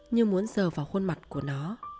như muốn dờ vào khuôn mặt của nó